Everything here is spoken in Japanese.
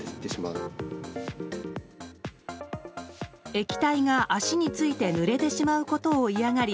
液体が足についてぬれてしまうことを嫌がり